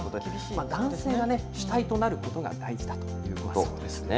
男性が主体となることが大事だということですね。